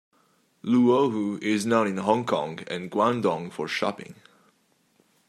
Luohu is known in Hong Kong and Guangdong for shopping.